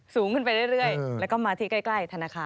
สูงขึ้นไปเรื่อยแล้วก็มาที่ใกล้ธนาคาร